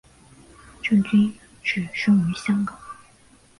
郑君炽生于香港。